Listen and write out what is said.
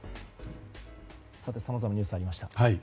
さて、さまざまなニュースがありました。